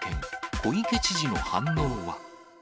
小池知事の反応は？